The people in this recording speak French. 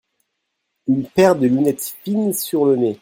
Une paire de lunettes fines sur le nez.